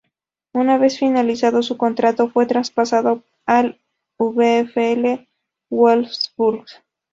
Una vez finalizado su contrato fue traspasado al VfL Wolfsburg.